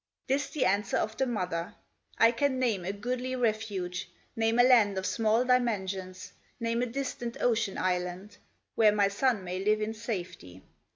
This the answer of the mother: "I can name a goodly refuge, Name a land of small dimensions, Name a distant ocean island, Where my son may live in safety.